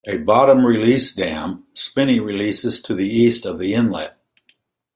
A bottom release dam, Spinney releases to the east of the inlet.